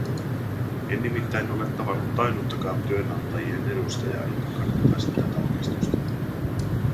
En nimittäin ole tavannut ainuttakaan työnantajien edustajaa, joka kannattaisi tätä tarkistusta.